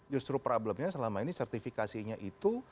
justru problemnya selama ini sertifikasinya itu